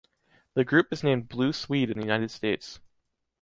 The group is named Blue Swede in the United States.